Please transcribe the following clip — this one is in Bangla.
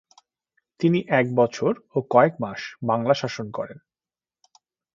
তিনি এক বছর ও কয়েক মাস বাংলা শাসন করেন।